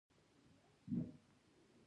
ژبه د بیان بریالۍ وسیله ده